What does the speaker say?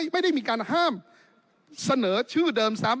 ไม่ได้มีการห้ามเสนอชื่อเดิมซ้ำ